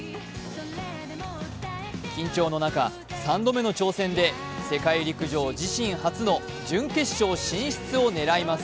緊張の中、３度目の挑戦で世界陸上自身初の準決勝進出を狙います。